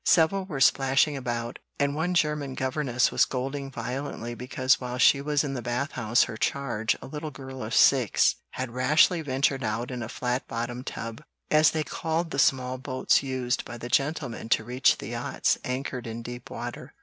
Several were splashing about, and one German governess was scolding violently because while she was in the bath house her charge, a little girl of six, had rashly ventured out in a flat bottomed tub, as they called the small boats used by the gentlemen to reach the yachts anchored in deep water.